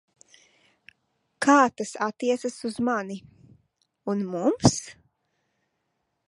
Kā tas atticas uz mani. Un mums?